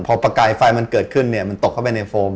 พอประกายไฟเกิดขึ้นมันตกไปในโฟม